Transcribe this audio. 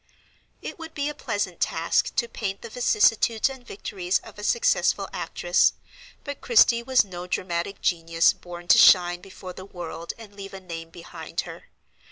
It would be a pleasant task to paint the vicissitudes and victories of a successful actress; but Christie was no dramatic genius born to shine before the world and leave a name behind her.